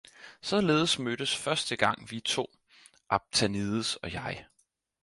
således mødtes første gang vi to, Aphtanides og jeg.